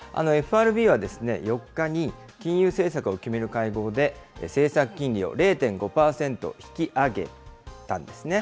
ＦＲＢは４日に、金融政策を決める会合で、政策金利を０．５％引き上げたんですね。